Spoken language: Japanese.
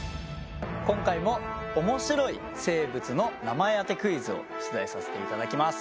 今回も面白い生物の名前当てクイズを出題させていただきます。